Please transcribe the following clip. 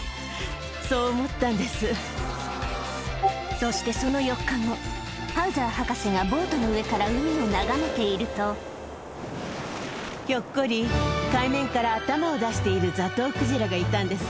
そしてそのハウザー博士がボートの上から海を眺めているとひょっこり海面から頭を出しているザトウクジラがいたんです。